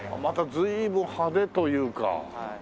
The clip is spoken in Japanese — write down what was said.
また随分派手というか。